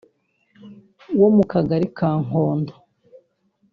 wo mu Kagari ka Nkondo